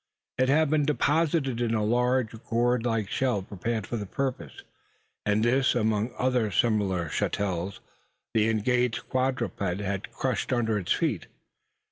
It had been deposited in a large gourd shell prepared for the purpose; and this, among other similar chattels, the enraged quadruped had crushed under its feet.